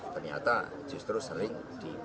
ternyata justru sering di